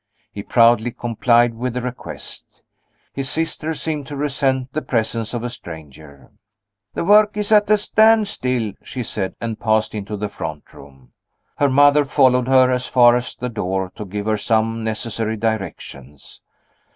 He proudly complied with the request. His sister seemed to resent the presence of a stranger. "The work is at a standstill," she said and passed into the front room. Her mother followed her as far as the door, to give her some necessary directions.